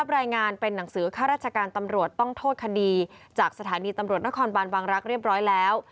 รายงานเป็นหนังสือข้าราชการตำรวจต้องโทษคดีจากสถานีตำรวจนครบานวังรักษ์เรียบร้อยแล้ว